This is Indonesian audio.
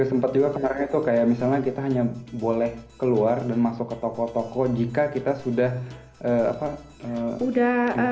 sempat juga kemarin itu kayak misalnya kita hanya boleh keluar dan masuk ke toko toko jika kita sudah